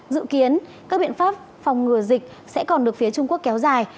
dự kiến các biện pháp phòng ngừa dịch sẽ còn được phía trung quốc kéo dài